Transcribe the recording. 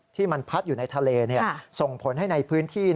ที่มันพัดอยู่ในทะเลส่งผลให้ในพื้นที่